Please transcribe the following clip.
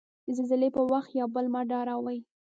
د زلزلې په وخت یو بل مه ډاروی.